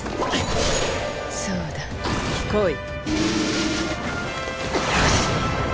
そうだ来い。